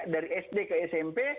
dari sd ke smp